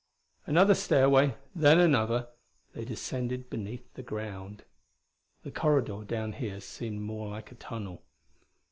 Another stairway, then another, they descended beneath the ground. The corridor down here seemed more like a tunnel.